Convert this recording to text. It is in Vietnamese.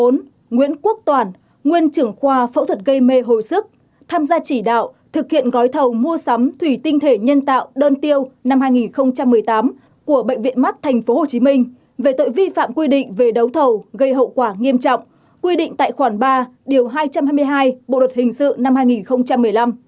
bốn nguyễn quốc toản nguyên trưởng khoa phẫu thuật gây mê hồi sức tham gia chỉ đạo thực hiện gói thầu mua sắm thủy tinh thể nhân tạo đơn tiêu năm hai nghìn một mươi tám của bệnh viện mắt tp hcm về tội vi phạm quy định về đấu thầu gây hậu quả nghiêm trọng quy định tại khoản ba điều hai trăm hai mươi hai bộ luật hình sự năm hai nghìn một mươi năm